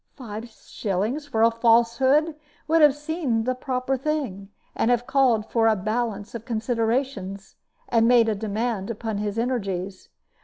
Five shillings for a falsehood would have seemed the proper thing, and have called for a balance of considerations, and made a demand upon his energies.